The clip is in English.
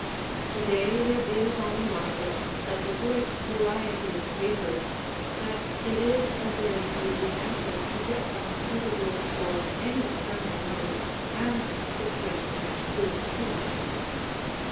To day there is on the market such a great variety of papers that it is a very easy matter to get one suitable for any certain room and suggesting good taste.